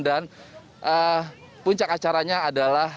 dan puncak acaranya adalah